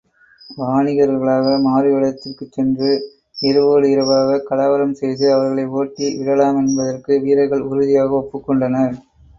வாணிகர்களாக மாறுவேடத்திற் சென்று, இரவோடு இரவாகக் கலவரம் செய்து அவர்களை ஓட்டி... விடலாமென்பதற்கு வீரர்கள் உறுதியாக ஒப்புக் கொண்டனர்.